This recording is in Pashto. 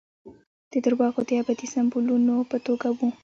د درواغو د ابدي سمبولونو په توګه وو.